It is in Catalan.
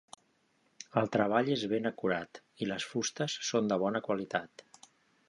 El treball és ben acurat i les fustes són de bona qualitat.